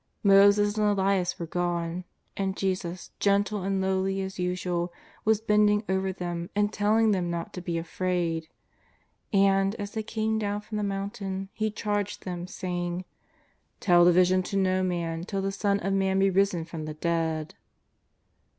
Moses and Elias were gone, and Jesus, gentle and lowly as usual, was bending over them and telling them not to be afraid. And, as they came down from the mountain, He charged them saying: •' Tell the vision to no man till the Son of Man be risen from the dead."